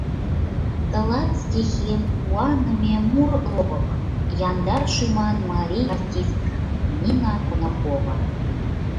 Тылат стихем, куаныме мур ловык, Яндар шӱман Марий артистка Нина Конакова.